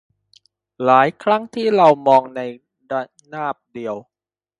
หลายครั้งที่เรามองในระนาบเดียว